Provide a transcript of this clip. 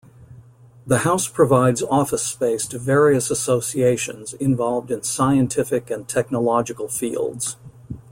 The house provides office space to various associations involved in scientific and technological fields.